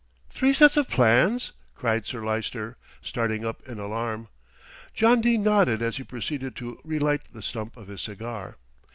"Three sets of plans!" cried Sir Lyster, starting up in alarm. John Dene nodded as he proceeded to relight the stump of his cigar.